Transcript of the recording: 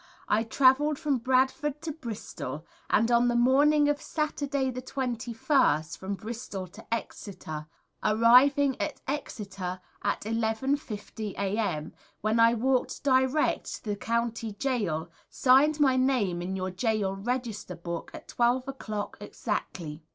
I travelled from Bradford to Bristol, and on the morning of Saturday, the 21st, from Bristol to Exeter, arriving at Exeter at 11 50 a.m., when I walked direct to the County Gaol, signed my name in your Gaol Register Book at 12 o'clock exactly.